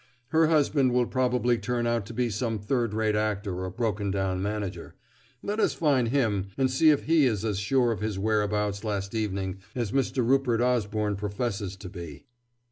Her husband will probably turn out to be some third rate actor or broken down manager. Let us find him, and see if he is as sure of his whereabouts last evening as Mr. Rupert Osborne professes to be."